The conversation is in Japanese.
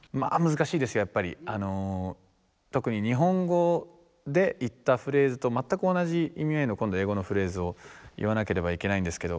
あの特に日本語で言ったフレーズと全く同じ意味合いの今度英語のフレーズを言わなければいけないんですけど